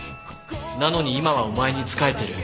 なのに今はお前に仕えてる。